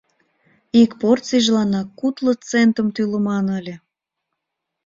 Ик порцийжыланак кудло центым тӱлыман ыле!